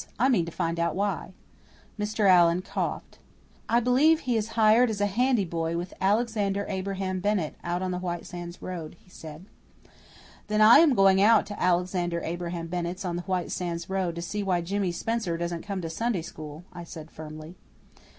I mean to find out why." Mr. Allan coughed. "I believe he is hired as handy boy with Alexander Abraham Bennett, out on the White Sands road," he said. "Then I am going out to Alexander Abraham Bennett's on the White Sands road to see why Jimmy Spencer doesn't come to Sunday school," I said firmly. Mr.